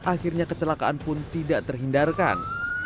akhirnya kecelakaan pun tidak terhindarkan